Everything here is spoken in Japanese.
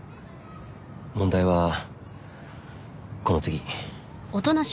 問題はこの次。